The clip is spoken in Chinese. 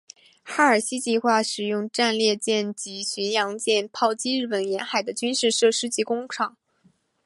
哈尔西计划使用战列舰及巡洋舰炮击日本沿海的军事设施及工厂。